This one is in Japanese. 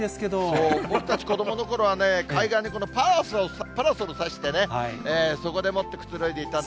そう、僕たち子どものころは海岸でパラソルを刺してね、そこでもってくつろいでいたと。